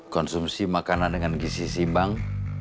konsumsi makanan dengan gizi simbang